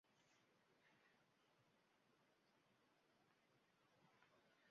El título de las películas se podría traducir como "El Rencor".